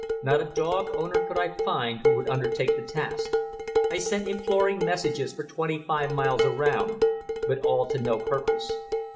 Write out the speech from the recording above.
Not a dog owner could I find who would undertake the task. I sent imploring messages for twenty five miles around, but all to no purpose.